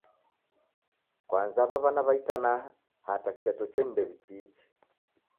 Kwanza aw'a wana wa itanaha hata kiteto cheni ndew'ichiichi.